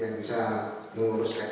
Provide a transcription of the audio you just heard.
seingat saya juga pak mohan punya tidak